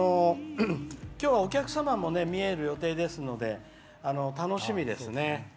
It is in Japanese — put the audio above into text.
きょうは、お客様も見える予定ですので楽しみですね。